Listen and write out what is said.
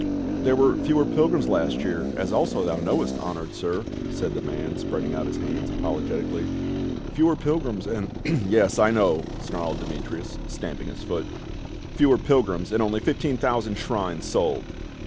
"There were fewer pilgrims last year, as also thou knowe.st, honored sir," said the man, spreading out his hands apologetically, "fewer pilgrims and —"" Yes, I do know," snarled Demetrius stamping his foot, " fewer pilgrims and only fifteen thousand shrines sold."